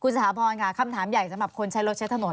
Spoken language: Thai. สถาพรค่ะคำถามใหญ่สำหรับคนใช้รถใช้ถนน